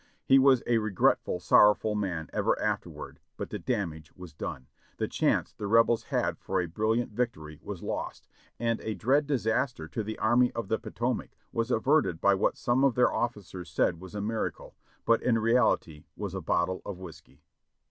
He was a regretful, sorrowful man ever afterward; but the dam age was done, the chance the Rebels had for a brilliant victory was lost, and a dread disaster to the Army of the Potomac was averted by what some of their officers said was a miracle, but in reality was a bottle of whiskey.